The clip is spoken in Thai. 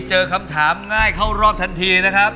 เจอคำถามง่ายเข้ารอบทันทีนะครับ